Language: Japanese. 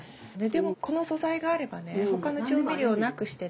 でもこの素材があればね他の調味料なくしてね